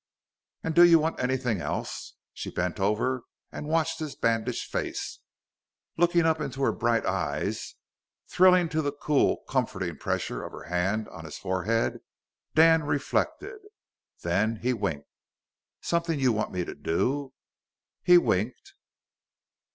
"And do you want anything else?" She bent over and watched his bandaged face. Looking up into her bright eyes, thrilling to the cool, comforting pressure of her hand on his forehead, Dan reflected. Then he winked. "Something you want me to do?" He winked.